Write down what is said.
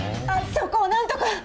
そこを何とか！